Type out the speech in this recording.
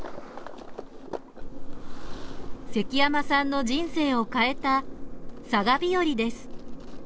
関山さんの人生を変えたさがびよりです。